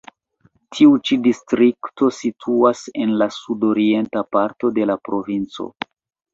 Tiu ĉi distrikto situas en la sudorienta parto de la provinco.